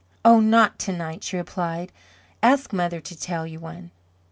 "Oh, not to night," she replied. "Ask mother to tell you one."